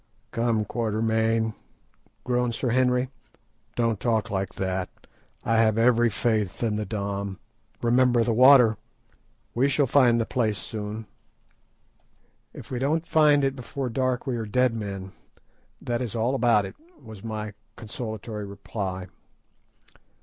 "Come, Quatermain," groaned Sir Henry, "don't talk like that; I have every faith in the Dom; remember the water! We shall find the place soon." "If we don't find it before dark we are dead men, that is all about it," was my consolatory reply.